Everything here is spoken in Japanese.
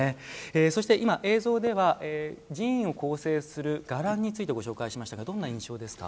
そして、今映像では寺院を構成する伽藍についてご紹介しましたがどんな印象ですか。